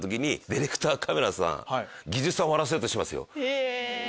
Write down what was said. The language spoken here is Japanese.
ディレクターカメラさん技術さん笑わせようとしますよ。